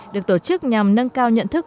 được tổ chức nhằm nâng cao nhận thức